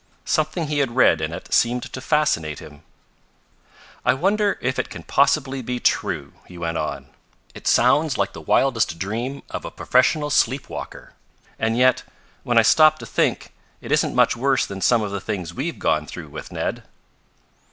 Something he had read in it seemed to fascinate him. "I wonder if it can possibly be true," he went on. "It sounds like the wildest dream of a professional sleep walker; and yet, when I stop to think, it isn't much worse than some of the things we've gone through with, Ned."